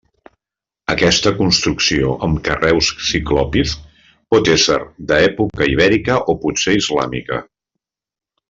Aquesta construcció amb carreus ciclopis pot ésser d'època ibèrica o potser islàmica.